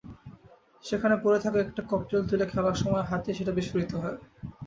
সেখানে পড়ে থাকা একটা ককটেল তুলে খেলার সময় হাতেই সেটি বিস্ফোরিত হয়।